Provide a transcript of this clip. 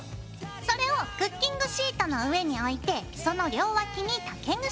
それをクッキングシートの上に置いてその両脇に竹串。